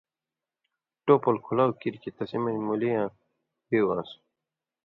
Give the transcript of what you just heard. ٹوپول کُھلاٶ کیریۡ کھیں تسی مژ مُولی یاں بِیُو آن٘س۔